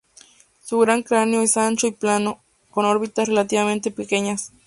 Su gran cráneo es ancho y plano, con órbitas relativamente pequeña.